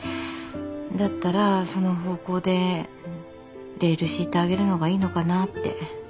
だったらその方向でレール敷いてあげるのがいいのかなって。